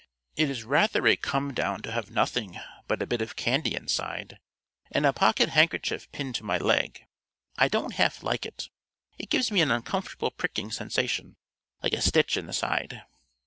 It is rather a come down to have nothing but a bit of candy inside, and a pocket handkerchief pinned to my leg. I don't half like it. It gives me an uncomfortable pricking sensation, like a stitch in the side."